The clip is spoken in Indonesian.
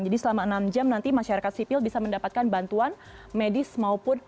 jadi selama enam jam nanti masyarakat sipil bisa mendapatkan bantuan medis maupun